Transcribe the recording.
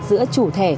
giữa chủ thẻ